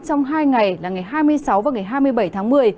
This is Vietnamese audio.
trong hai ngày là ngày hai mươi sáu và ngày hai mươi bảy tháng một mươi